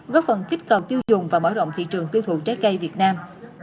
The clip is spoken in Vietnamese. góp phần kích cầu tiêu dùng và mở rộng thị trường tiêu thụ trái cây việt nam